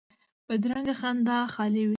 بدرنګه خندا خالي وي